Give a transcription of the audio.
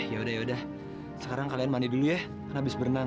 ya udah ya udah sekarang kalian mandi dulu ya kan habis berenang